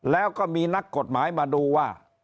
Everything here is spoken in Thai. แล้วก็มีนักกฎหมายมาดูว่า